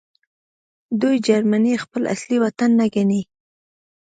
دوی جرمني خپل اصلي وطن نه ګڼي